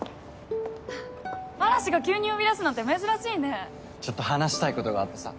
はぁ嵐が急に呼び出すなんて珍しいちょっと話したいことがあってさ。